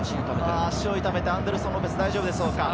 足を痛めてアンデルソン・ロペス、大丈夫でしょうか？